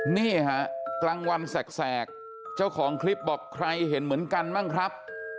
นี่ฮะกลางวันแสกเจ้าของคลิปบอกใครเห็นเหมือนกันบ้างครับ